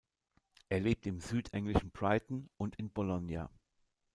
Er lebt im südenglischen Brighton und in Bologna.